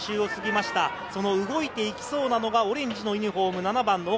動いて行きそうなのが、オレンジのユニホーム、７番の尾方。